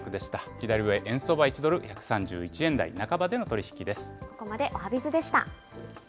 左上、円相場は１ドル１３１円台半ばでの取り引きです。